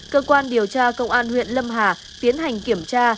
cơ quan điều tra công an huyện lâm hà tiến hành kiểm tra